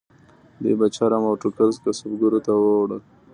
دوی به چرم او ټوکر کسبګرو ته ووړل.